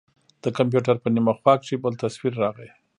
د کمپيوټر په نيمه خوا کښې بل تصوير راغى.